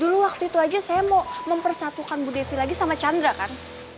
dulu waktu itu aja saya mau mempersatukan bu devi lagi sama chandra kan